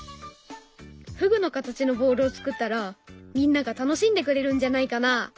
ふぐの形のボールを作ったらみんなが楽しんでくれるんじゃないかな？